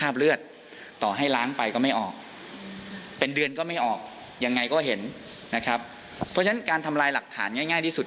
เพราะฉะนั้นการทำลายหลักฐานง่ายที่สุด